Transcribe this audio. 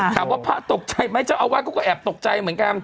ถามว่าภาพตกใจไหมเจ้าอาวาสก็แอบตกใจ